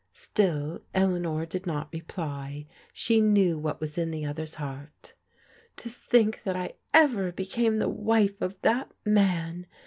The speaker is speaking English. Still Eleanor did not reply. She knew what was in the other's heart. " To think that I ever became the wife of that man